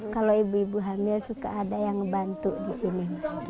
kalau ibu ibu hamil suka ada yang ngebantu di sini